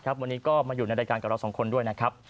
วันนี้ก็มาอยู่ในรายการกับเราสองคนด้วยนะครับ